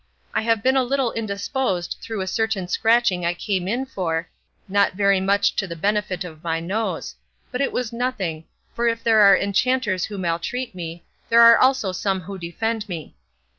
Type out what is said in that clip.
I have been a little indisposed through a certain scratching I came in for, not very much to the benefit of my nose; but it was nothing; for if there are enchanters who maltreat me, there are also some who defend me.